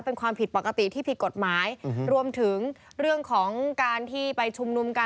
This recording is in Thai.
เป็นความผิดปกติที่ผิดกฎหมายรวมถึงเรื่องของการที่ไปชุมนุมกัน